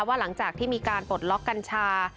หลังจากที่มีการปลดล็อกกัญชา